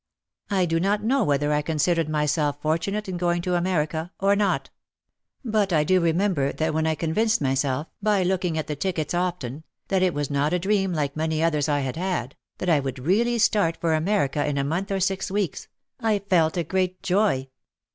I do not know whether I considered myself fortunate in going to America or not. But I do remember that when I convinced myself, by looking at the tickets often, that it was not a dream like many others I had had, that I would really start for America in a month or six weeks, I felt a great joy.